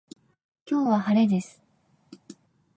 今日は晴れです